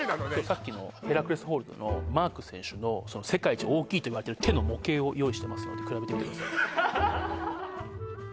さっきのヘラクレス・ホールドのマーク選手のその世界一大きいといわれてる手の模型を用意してますので比べてみてください